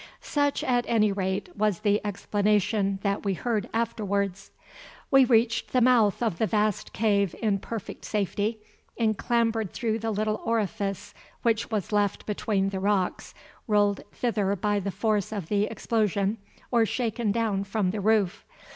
Such, at any rate, was the explanation that we heard afterwards. We reached the mouth of the vast cave in perfect safety, and clambered through the little orifice which was left between the rocks rolled thither by the force of the explosion, or shaken down from the roof.